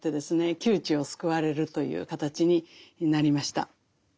窮地を救われるという形になりました。